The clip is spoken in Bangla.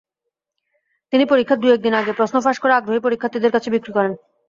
তিনি পরীক্ষার দু-একদিন আগে প্রশ্ন ফাঁস করে আগ্রহী পরীক্ষার্থীদের কাছে বিক্রি করেন।